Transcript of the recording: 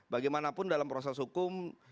bagaimanapun dalam proses hukum